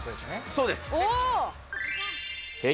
そうです。